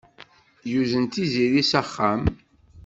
Yuzen Tiziri s axxam.